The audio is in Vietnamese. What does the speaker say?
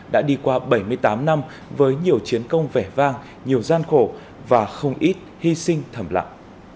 đã đi qua bảy mươi tám năm với nhiều chiến công vẻ vang nhiều gian khổ và không ít hy sinh thầm lặng